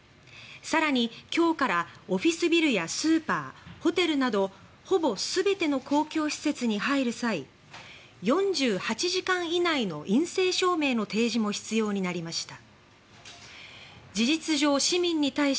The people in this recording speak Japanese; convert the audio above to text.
更に、今日からオフィスビルやスーパー、ホテルなどほぼ全ての公共施設に入る際４８時間以内の陰性証明の提示も必要になりました。